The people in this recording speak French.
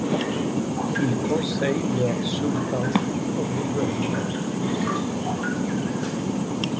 Ils conseillent leur sultan ou gouverneur respectif.